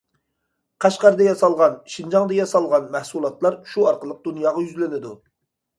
« قەشقەردە ياسالغان»« شىنجاڭدا ياسالغان» مەھسۇلاتلار شۇ ئارقىلىق دۇنياغا يۈزلىنىدۇ.